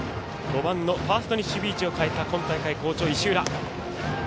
５番、ファーストに守備位置を変えた今大会好調の石浦。